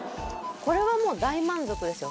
これはもう大満足ですよ